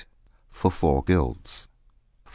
FOR FOUR GUILDS: IV.